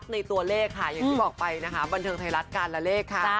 ในตัวเลขค่ะอย่างที่บอกไปนะคะบันเทิงไทยรัฐการละเลขค่ะ